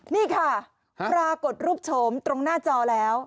นี่ค่ะปรากฏรูปโฉมตรงหน้าจอแล้ว